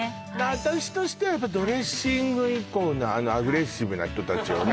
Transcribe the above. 私としてはやっぱドレッシング以降のあのアグレッシブな人達をね